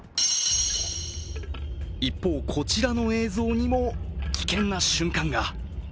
一方、こちらの映像にも危険な瞬間が。